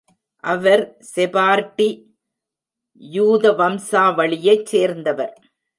அவர் Sephardi யூத வம்சாவளியைச் சேர்ந்தவர்.